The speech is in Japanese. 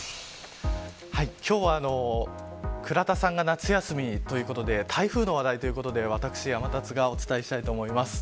今日は倉田さんが夏休みということで台風の話題ということで私、天達がお伝えしたいと思います。